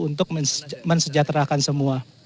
untuk mensejahterakan semua